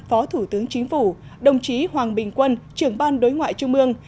phó thủ tướng chính phủ đồng chí hoàng bình quân trưởng ban đối ngoại trung ương